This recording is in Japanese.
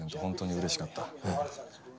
本当に嬉しかった」。